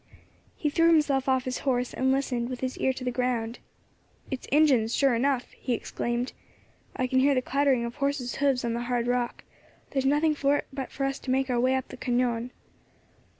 He threw himself off his horse, and listened, with his ear to the ground. "It's Injins, sure enough!" he exclaimed; "I can hear the clattering of horses' hoofs on the hard rock. There's nothing for it but for us to make our way up the cañon."